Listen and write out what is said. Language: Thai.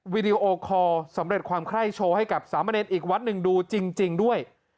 วิดีโอคอลสำเร็จความไคร้โชว์ให้กับสามเณรอีกวัดหนึ่งดูจริงด้วย